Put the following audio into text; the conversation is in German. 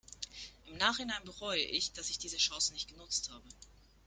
Im Nachhinein bereue ich, dass ich diese Chance nicht genutzt habe.